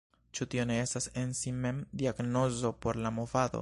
Ĉu tio ne estas en si mem diagnozo por la movado?